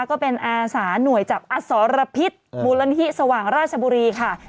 ก็เป็นอาสาหน่วยจับอสรพิษมูลนิธิสว่างราชบุรีค่ะ